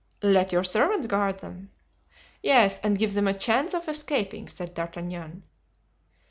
"Let your servants guard them." "Yes, and give them a chance of escaping," said D'Artagnan.